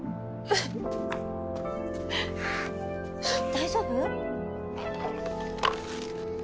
大丈夫？